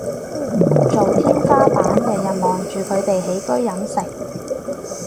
做天花板日日望住佢哋起居飲食